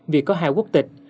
vì có hai quốc tịch